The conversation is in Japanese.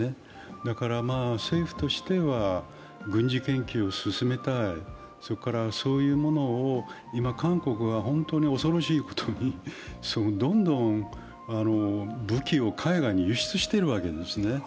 だから政府として軍事研究を進めたい、そういうものを今、韓国が本当に恐ろしいことにどんどん武器を海外に輸出しているんですね。